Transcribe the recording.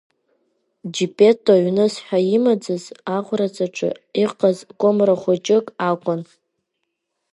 Џьеппетто ҩныс ҳәа имаӡаз аӷәраҵаҿы иҟаз кәымра хәыҷык акәын…